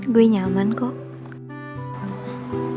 gue nyaman kok